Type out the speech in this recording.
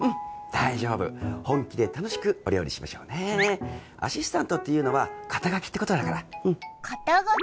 大丈夫本気で楽しくお料理しましょうねアシスタントっていうのは肩書ってことだからうん肩書？